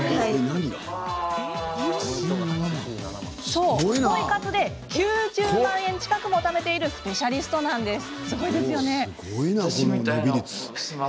そう、ポイ活で９０万円近くもためているスペシャリストなんです。